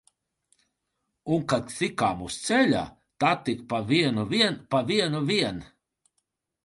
Un kad tikām uz ceļa, tad tik pa vienu vien, pa vienu vien!